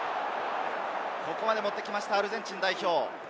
ここまで持ってきました、アルゼンチン代表。